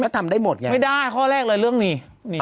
ก็ทำได้หมดไงไม่ได้ข้อแรกเลยเรื่องนี้